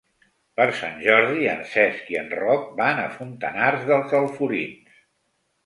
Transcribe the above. Per Sant Jordi en Cesc i en Roc van a Fontanars dels Alforins.